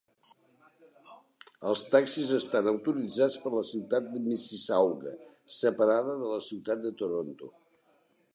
Els taxis estan autoritzats per la ciutat de Mississauga, separada de la ciutat de Toronto.